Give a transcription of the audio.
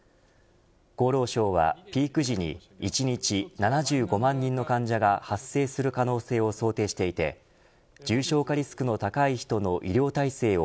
厚労省は、ピーク時に１日７５万人の患者が発生する可能性を想定していて重症化リスクの高い人の医療体制を